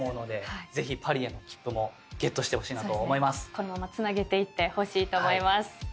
このままつなげていってほしいと思います。